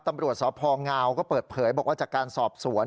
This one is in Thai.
ตำรวจสพงก็เปิดเผยบอกว่าจากการสอบสวน